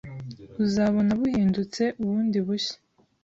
uzabona buhindutse ubundi bushya